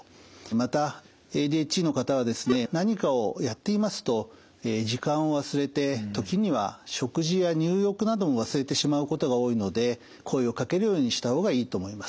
またＡＤＨＤの方はですね何かをやっていますと時間を忘れて時には食事や入浴なども忘れてしまうことが多いので声をかけるようにした方がいいと思います。